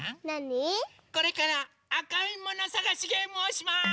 これからあかいものさがしゲームをします！